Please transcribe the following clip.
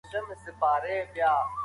که بخل نه وي نو برکت وي.